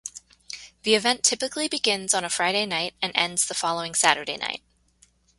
The event typically begins on a Friday night and ends the following Saturday night.